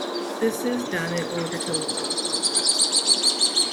This is done in order to lower the contrast.